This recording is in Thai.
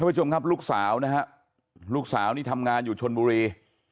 ผู้ชมครับลูกสาวนะฮะลูกสาวนี่ทำงานอยู่ชนบุรี